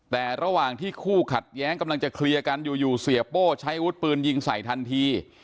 แต่ระหว่างที่คู่ขัดแย้งกำลังจะเคลียร์กันอยู่เสียโป้ใช้อาวุธปืนยิงใส่ทันที